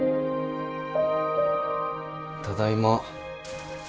ただいま。